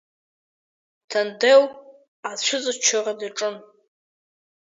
Ҭандел ацәыҵаччара даҿын…